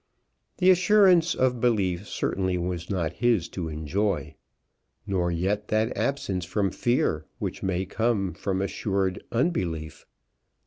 The assurance of belief certainly was not his to enjoy; nor yet that absence from fear which may come from assured unbelief.